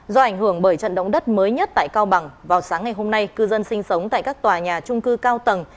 do ảnh hưởng bởi trận động đất mới nhất tại cao bằng vào sáng ngày hôm nay cư dân sinh sống tại các tòa nhà trung cư cao tầng